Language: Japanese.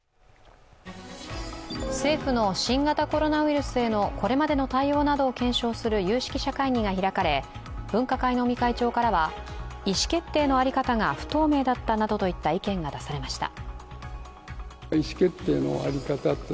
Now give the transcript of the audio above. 政府の新型コロナウイルスへのこれまでの対応などを検証する有識者会議が開かれ、分科会の尾身会長からは意思決定の在り方が不透明だったなどといった意見が出されました。